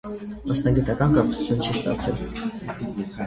Մասնագիտական կրթություն չի ստացել։